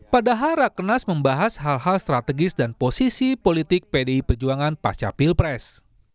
padahal rakenas membahas hal hal strategis dan posisi politik pdi perjuangan pasca pilpres